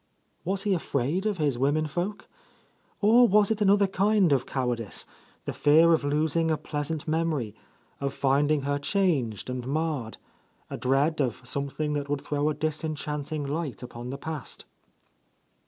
Was he afraid of his women folk? Or was it another kind of cowardice, the fear of losing a pleasant memory, of finding her changed and marred, a dread of something that would throw a disenchanting light upon the past